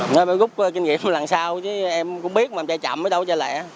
nói về gốc kinh nghiệm lần sau chứ em cũng biết mà chạy chậm ở đâu chạy lẹ